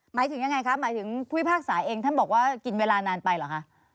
หมายถึงยังไงคะหมายถึงผู้พิพากษาเองท่านบอกว่ากินเวลานานไปเหรอคะ